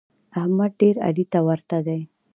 احمد ډېر علي ته ورته دی.